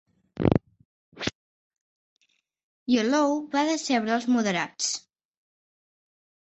Youlou va decebre els "moderats".